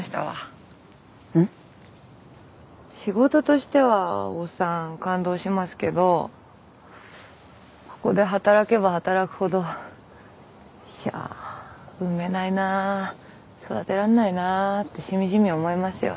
仕事としてはお産感動しますけどここで働けば働くほどいやあ産めないなあ育てられないなあってしみじみ思いますよ。